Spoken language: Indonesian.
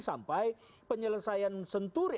sampai penyelesaian senturi